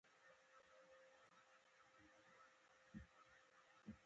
پر وعده ټینګ او په زړه پاک وي.